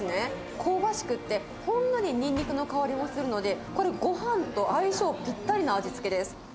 香ばしくって、ほんのりニンニクの香りもするので、これ、ごはんと相性ぴったりな味付けです。